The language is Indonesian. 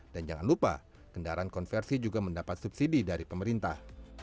dan jangan lupa kendaraan konversi juga mendapat subsidi dari pemerintah